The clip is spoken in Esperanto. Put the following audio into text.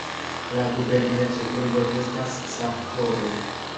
La gubernia ĉefurbo estas Sapporo.